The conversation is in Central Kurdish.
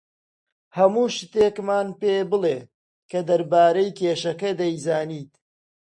هەموو شتێکمان پێ بڵێ کە دەربارەی کێشەکە دەیزانیت.